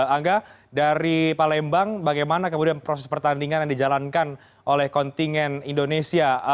angga dari palembang bagaimana kemudian proses pertandingan yang dijalankan oleh kontingen indonesia